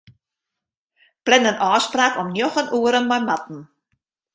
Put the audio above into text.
Plan in ôfspraak om njoggen oere mei Marten.